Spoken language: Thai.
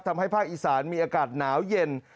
ทำให้ภาคอีสานมีอากาศหนาวเย็น